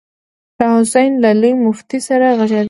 شاه حسين له لوی مفتي سره غږېده.